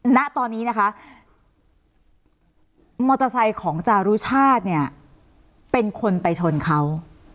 ณตอนนี้นะคะมอเตอร์ไซค์ของจารุชาติเนี่ยเป็นคนไปชนเขา